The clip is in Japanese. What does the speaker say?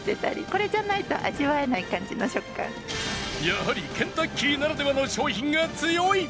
やはりケンタッキーならではの商品が強い